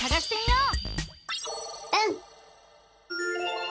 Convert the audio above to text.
うん！